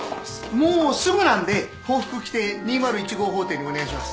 もうすぐなんで法服着て２０１号法廷にお願いします。